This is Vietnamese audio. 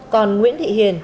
còn nguyễn thị hiền